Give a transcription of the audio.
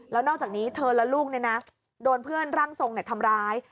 แล้วนอกจากนี้เธอและลูกโดนเพื่อนร่างทรงทำร้าย